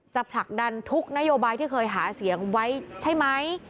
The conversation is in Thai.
ผลักดันทุกนโยบายที่เคยหาเสียงไว้ใช่ไหม